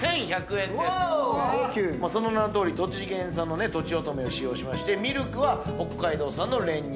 その名のとおり栃木県産のとちおとめを使用しましてミルクは北海道産の練乳。